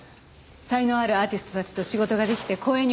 才能あるアーティストたちと仕事が出来て光栄に思ってます。